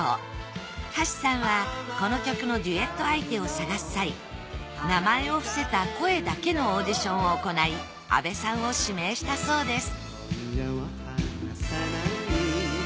橋さんはこの曲のデュエット相手を探す際名前を伏せた声だけのオーデションを行い安倍さんを指名したそうです